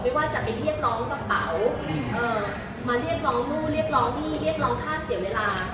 ว่าจะไปเรียกร้องกระเป๋ามาเรียกร้องนู่นเรียกร้องหนี้เรียกร้องค่าเสียเวลา